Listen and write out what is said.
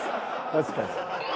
確かに。